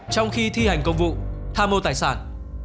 trong khi thi hành công vụ tha mô tài sản